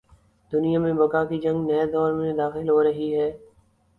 دنیا میں بقا کی جنگ نئے دور میں داخل ہو رہی ہے۔